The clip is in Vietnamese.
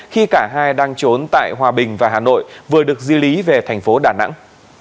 khi cả hai đang trốn tại hòa bình và hà nội vừa được di lý về tp đà nẵng